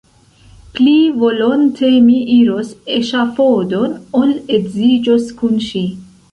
Pli volonte mi iros eŝafodon, ol edziĝos kun ŝi!